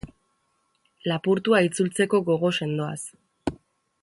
Lapurtua itzultzeko gogo sendoaz.